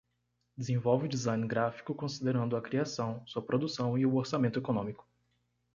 Desenvolve o design gráfico considerando a criação, sua produção e o orçamento econômico.